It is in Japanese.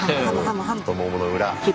太ももの裏。